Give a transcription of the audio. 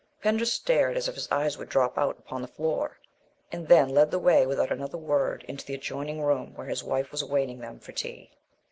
Pender stared as if his eyes would drop out upon the floor, and then led the way without another word into the adjoining room where his wife was awaiting them for tea.